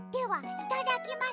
いただきます。